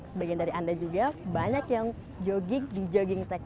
sebagian dari anda juga banyak yang jogging di jogging tech